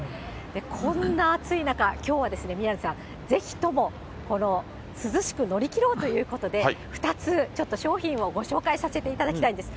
こんな暑い中、きょうは宮根さん、ぜひとも涼しく乗り切ろうということで、２つ、ちょっと商品をご紹介させていただきたいんです。